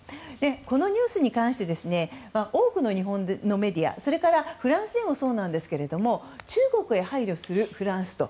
このニュースに関して多くの日本のメディア、それからフランスでもそうなんですが中国へ配慮するフランスと。